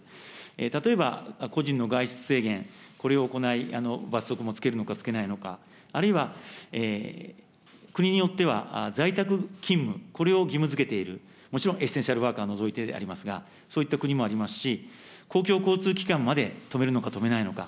例えば、個人の外出制限、これを行い、罰則もつけるのかつけないのか、あるいは国によっては、在宅勤務、これを義務づけている、もちろんエッセンシャルワーカーを除いてでありますが、そういった国もありますし、公共交通機関まで止めるのか、止めないのか。